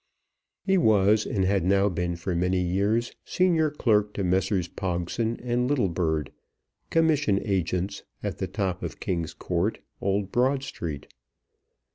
He was and had now been for many years senior clerk to Messrs. Pogson and Littlebird, Commission Agents, at the top of King's Court, Old Broad Street.